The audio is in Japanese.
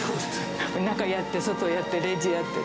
中やって外やって、レジやって。